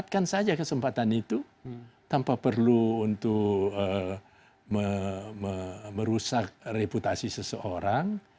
dan saya kira kesempatan itu tanpa perlu untuk merusak reputasi seseorang